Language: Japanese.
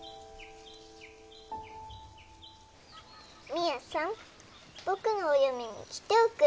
宮さん僕のお嫁に来ておくれ。